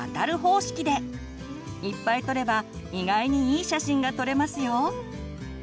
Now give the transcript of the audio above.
いっぱい撮れば意外にいい写真が撮れますよ！